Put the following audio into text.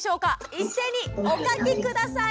一斉にお書き下さい。